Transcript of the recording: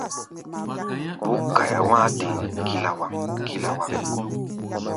Búk kaia wá̧á̧-te kilawaŋ-kilawaŋ.